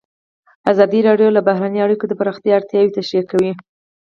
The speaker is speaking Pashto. ازادي راډیو د بهرنۍ اړیکې د پراختیا اړتیاوې تشریح کړي.